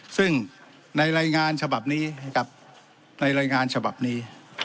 ซึ่งในรายงานฉบับนี้นะครับในรายงานฉบับนี้